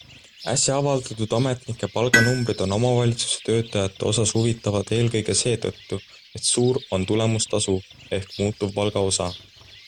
Äsja avaldatud ametnike palganumbrid on omavalitsuse töötajate osas huvitavad eelkõige seetõttu, et suur on tulemustasu ehk muutuvpalga osa.